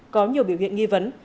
có nhiều biểu hiện nghi vấn